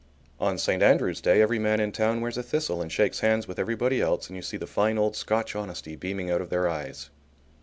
On St. Andrew's Day every man in town wears a thistle and shakes hands with everybody else, and you see the fine old Scotch honesty beaming out of their eyes.